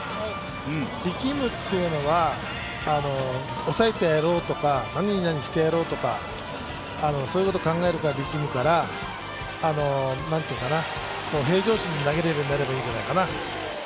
力むっていうのは抑えてやろうとか何々してやろうとかそういうことを考えるから力むから平常心で投げれるようになればいいんじゃないかな。